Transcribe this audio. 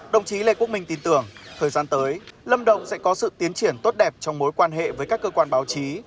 đồng chí lê quốc minh tin tưởng thời gian tới lâm đồng sẽ có sự tiến triển tốt đẹp trong mối quan hệ với các cơ quan báo chí